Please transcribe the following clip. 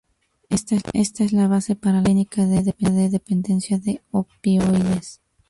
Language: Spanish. Esta es la base para la prueba clínica de dependencia de opioides.